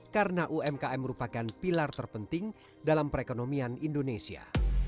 karena umkm merupakan pilar terpenting dalam perekonomian indonesia